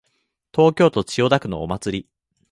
東京都千代田区のお祭り